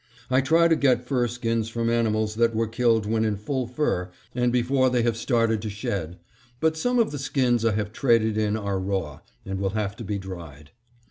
I try to get furskins from animals that were killed when in full fur and before they have started to shed, but some of the skins I have traded in are raw, and will have to be dried.